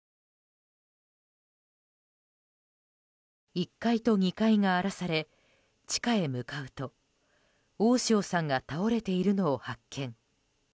１階と２階が荒らされ地下へ向かうと大塩さんが倒れているのを発見。